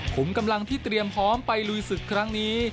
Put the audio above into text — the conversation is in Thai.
ผมกำลังที่เตรียมพร้อมไปลุยศึกครั้งนี้